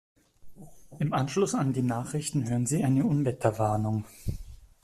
Im Anschluss an die Nachrichten hören Sie eine Unwetterwarnung.